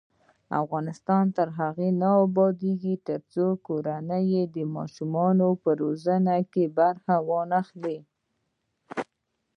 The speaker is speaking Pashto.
افغانستان تر هغو نه ابادیږي، ترڅو کورنۍ د ماشومانو په روزنه کې برخه وانخلي.